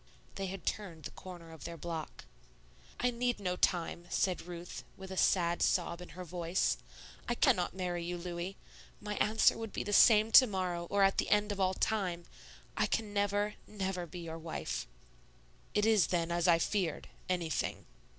They had turned the corner of their block. "I need no time," said Ruth, with a sad sob in her voice; "I cannot marry you, Louis. My answer would be the same to morrow or at the end of all time, I can never, never be your wife." "It is then as I feared, anything."